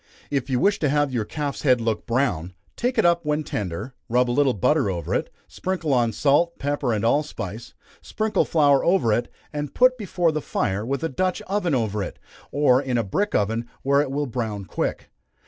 If you wish to have your calf's head look brown, take it up when tender, rub a little butter over it, sprinkle on salt, pepper, and allspice sprinkle flour over it, and put before the fire, with a Dutch oven over it, or in a brick oven where it will brown quick.